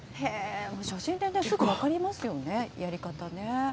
写真ですぐ分かりますもんね、やり方ね。